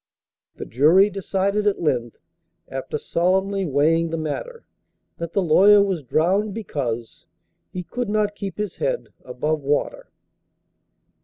The jury decided at length, After solemnly weighing the matter, That the lawyer was drownded, because He could not keep his head above water!